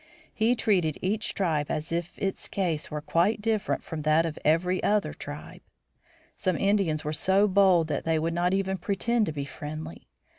He treated each tribe as if its case were quite different from that of every other tribe. Some Indians were so bold that they would not even pretend to be friendly.